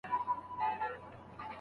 پر پردي قوت چي وکړي حسابونه